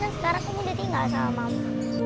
sekarang kamu udah tinggal sama mama